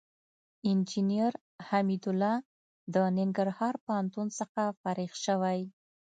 انجينر حميدالله د ننګرهار پوهنتون څخه فارغ شوى.